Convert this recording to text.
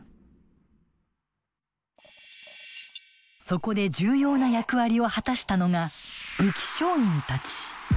そこで重要な役割を果たしたのが武器商人たち。